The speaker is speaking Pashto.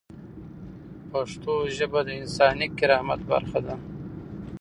پښتو ژبه د انساني کرامت برخه ده.